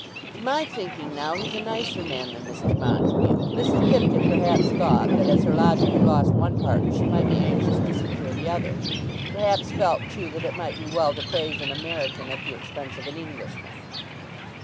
"To my thinking now he's a nicer man than Mr. Montague." Mrs. Pipkin perhaps thought that as her lodger had lost one partner she might be anxious to secure the other; perhaps felt, too, that it might be well to praise an American at the expense of an Englishman.